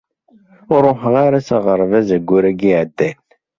Ur ruḥeɣ ara s aɣerbaz ayyur-ayi iɛeddan.